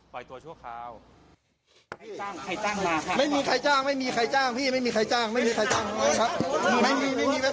ปล่อยตัวชั่วคราว